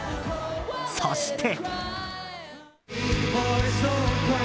そして。